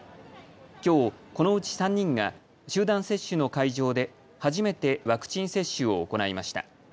きょう、このうち３人が集団接種の会場で初めてワクチン接種を行いました。